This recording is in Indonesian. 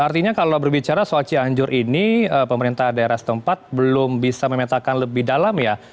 artinya kalau berbicara soal cianjur ini pemerintah daerah setempat belum bisa memetakan lebih dalam ya